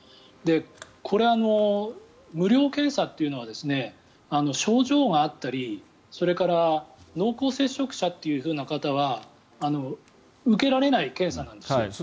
これ、無料検査というのは症状があったりそれから濃厚接触者という方は受けられない検査なんですよ。